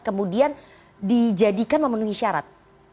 kemudian dijadikan memenuhi syarat